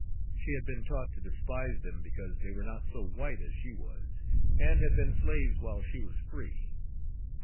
She had been taught to despise them because they were not so white as she was, and had been slaves while she was free.